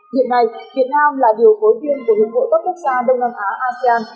hiện nay việt nam là điều khối tuyên của hợp hội tốt quốc gia đông nam á asean